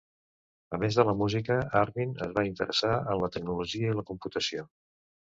A més de la música, Armin es va interessar en la tecnologia i la computació.